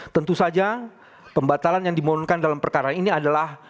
tentu saja pembatalan yang dimohonkan dalam perkara ini adalah